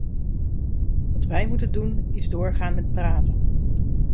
Wat wij moeten doen, is doorgaan met praten.